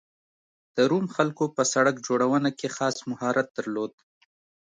د روم خلکو په سړک جوړونه کې خاص مهارت درلود